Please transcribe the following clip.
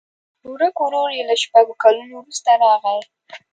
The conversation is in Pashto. ورک ورور یې له شپږو کلونو وروسته راغی.